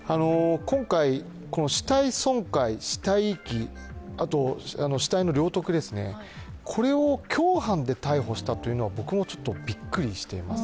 今回この死体損壊、死体遺棄、あと死体の領得ですね、これを共犯で逮捕したというのは僕もびっくりしています。